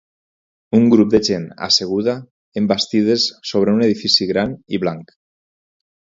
Un grup de gent asseguda en bastides sobre un edifici gran i blanc.